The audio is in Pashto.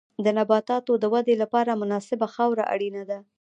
د نباتاتو د ودې لپاره مناسبه خاوره اړینه ده.